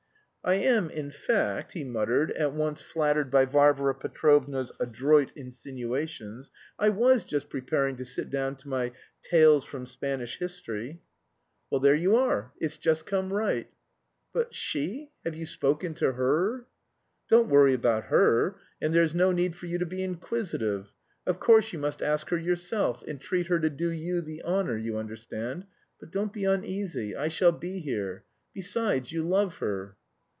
"I am, in fact," he muttered, at once flattered by Varvara Petrovna's adroit insinuations. "I was just preparing to sit down to my 'Tales from Spanish History.'" "Well, there you are. It's just come right." "But... she? Have you spoken to her?" "Don't worry about her. And there's no need for you to be inquisitive. Of course, you must ask her yourself, entreat her to do you the honour, you understand? But don't be uneasy. I shall be here. Besides, you love her."